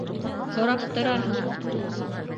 Һорап тораһың...